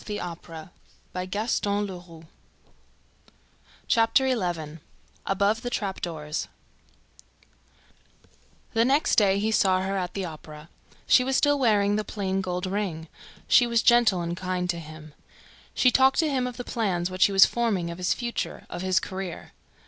Chapter XI Above the Trap Doors The next day, he saw her at the Opera. She was still wearing the plain gold ring. She was gentle and kind to him. She talked to him of the plans which he was forming, of his future, of his career.